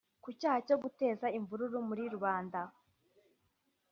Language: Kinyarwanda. Ku cyaha cyo guteza imvururu muri rubanda